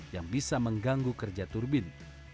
yang bisa mengganggu kerja turbin